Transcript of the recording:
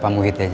pak muhyidd aja